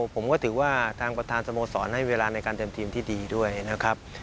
ผมก็ถือว่าทางประธานสโมสรให้เวลาในการเตรียมทีมที่ดีด้วยนะครับ